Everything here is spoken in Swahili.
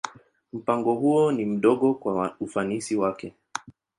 Mpango huo ni mdogo kwa ufanisi wake.